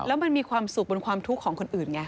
แล้วมันมีความสุขบนความทุกข์ของคนอื่นไง